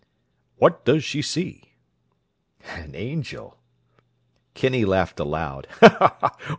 "What does she see?" "An angel." Kinney laughed aloud.